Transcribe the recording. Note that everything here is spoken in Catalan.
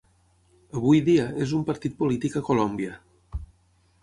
Avui dia és un partit polític a Colòmbia.